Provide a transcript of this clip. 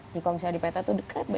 di komsomol di petra itu dekat